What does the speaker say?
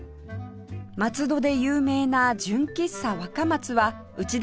松戸で有名な純喫茶若松は内田さんで３代目